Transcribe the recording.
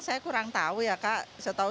saya kurang tahu ya kak setahu